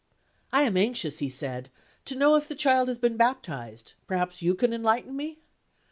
"I am anxious," he said, "to know if the child has been baptized. Perhaps you can enlighten me?"